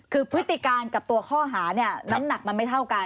คือพฤติการกับตัวข้อหาเนี่ยน้ำหนักมันไม่เท่ากัน